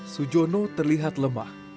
sujono terlihat lemah